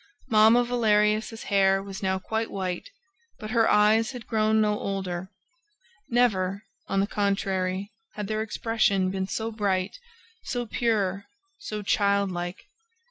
Mamma Valerius' hair was now quite white, but her eyes had grown no older; never, on the contrary, had their expression been so bright, so pure, so child like.